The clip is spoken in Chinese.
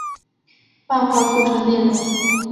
漫画构成内容。